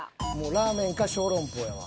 ラーメンか小籠包やわ。